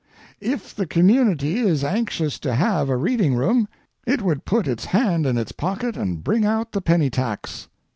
If the community is anxious to have a reading room it would put its hand in its pocket and bring out the penny tax.